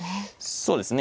そうですね。